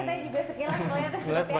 keletanya juga sekilas mulai atas kutian